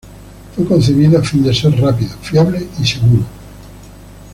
Fue concebido a fin de ser rápido, fiable, y seguro.